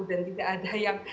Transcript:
dan tidak ada yang